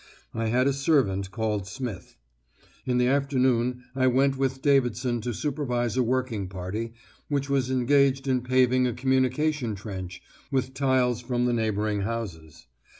I had a servant called Smith. In the afternoon I went with Davidson to supervise a working party, which was engaged in paving a communication trench with tiles from the neighbouring houses.